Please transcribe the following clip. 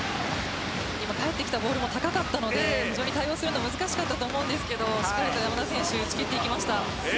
返ってきたボールも高かったので非常に対応するのが難しかったと思うんですけどしっかり山田選手打ち切りました。